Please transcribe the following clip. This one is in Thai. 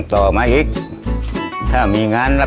ช่วยกรูทุกอย่าง